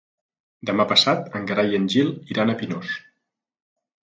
Demà passat en Gerai i en Gil iran a Pinós.